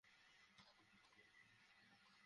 এটা হচ্ছে আঘাত।